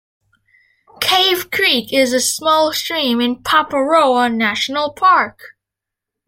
Cave Creek is a small stream in Paparoa National Park.